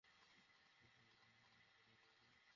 যদি পান্নাটা পেতে চাও, তোমাকে আমার মুখোমুখি হতে হবে।